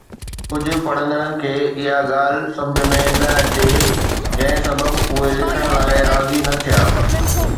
ڪجهه پڙهندڙن کي اها ڳالهه سمجهه ۾ نه اچي، جنهن سبب اهي لکڻ لاءِ راضي نه ٿيا